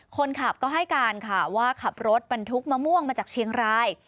คนขับก็ให้การค่ะว่าขับรถบรรทุกมะม่วงมาจากเชียงราย